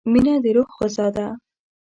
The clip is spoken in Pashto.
• مینه د روح غذا ده.